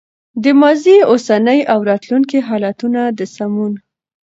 د ماضي، اوسني او راتلونکي حالتونو د سمون